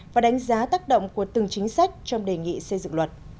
và đánh giá tác động của từng chính sách trong đề nghị xây dựng luật